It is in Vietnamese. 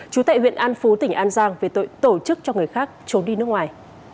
chú tại huyện an phú tỉnh an giang về tội tổ chức cho người khác trốn đi nước ngoài